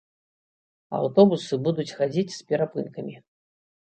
Аўтобусы будуць хадзіць з перапынкамі.